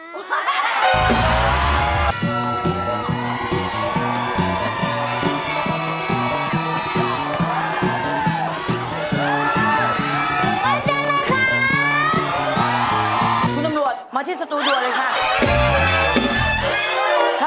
คุณตำรวจมาที่สตูดิวเลยค่ะ